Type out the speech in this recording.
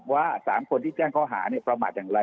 ว่า๓คนที่แจ้งเขาหาเนี่ยประมาทอย่างไร